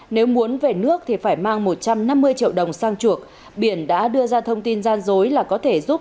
nếu muốn về nước thì phải mang một trăm năm mươi triệu đồng sang chuộc biển đã đưa ra thông tin gian dối là có thể giúp